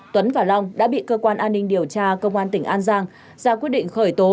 tuấn và long đã bị cơ quan an ninh điều tra công an tỉnh an giang ra quyết định khởi tố